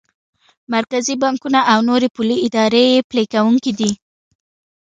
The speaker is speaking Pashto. مرکزي بانکونه او نورې پولي ادارې یې پلي کوونکی دي.